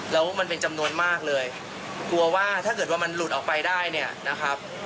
แล้วมันเป็นจำนวนมากเลยกลัวว่าถ้าเกิดว่ามันหลุดออกไปได้เนี่ยนะครับ